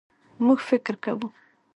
مونږ فکر کوو